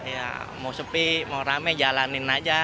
ya mau sepi mau rame jalanin aja